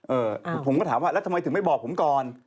ผมก็ถามว่าแล้วทำไมถึงไม่บอกผมก่อน